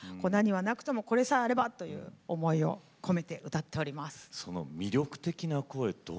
「これさえあれば」という思いを込めて歌っております。